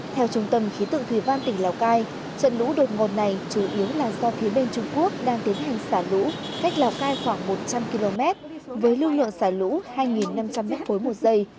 theo trung tâm khí tượng thủy văn tỉnh lào cai trận lũ đột ngột này chủ yếu là do phía bên trung quốc đang tiến hành xả lũ cách lào cai khoảng một trăm linh km với lưu lượng xả lũ hai năm trăm linh m ba một giây